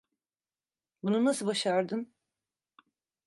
Bunu nasıl başardın?